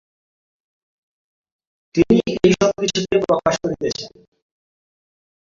তিনিই এই সব কিছুকে প্রকাশ করিতেছেন।